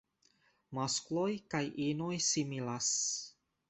Maskloj kaj inoj similas.